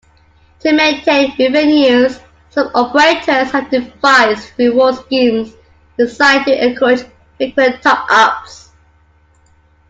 To maintain revenues, some operators have devised reward schemes designed to encourage frequent top-ups.